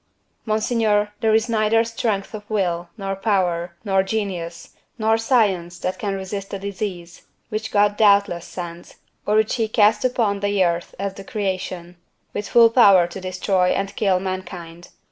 "Monseigneur, there is neither strength of will, nor power, nor genius, nor science that can resist a disease which God doubtless sends, or which He cast upon the earth at the creation, with full power to destroy and kill mankind.